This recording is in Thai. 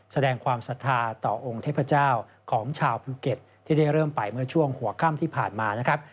แสดงความศรัทธาต่อองค์เทพเจ้าของชาวภูเก็ตที่ได้เริ่มไปเมื่อช่วงหัวค่ำที่ผ่านมานะครับ